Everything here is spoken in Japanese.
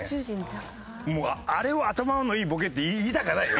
あれを頭のいいボケって言いたかないよ。